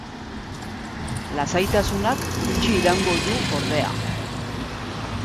Lasaitasunak gutxi iraungo du ordea.